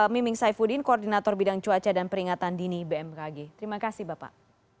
miming saifuddin koordinator bidang cuaca dan peringatan dini bmkg terima kasih bapak